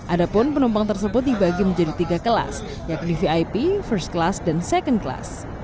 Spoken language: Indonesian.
adapun penumpang tersebut dibagi menjadi tiga kelas yakni vip first class dan second class